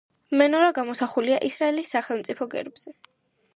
მენორა გამოსახულია ისრაელის სახელმწიფო გერბზე.